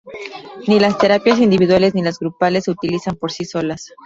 Ni las terapias individuales ni las grupales se utilizan por sí solas.